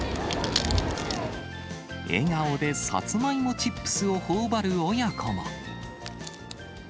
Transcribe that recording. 笑顔でサツマイモチップスをほおばる親子も。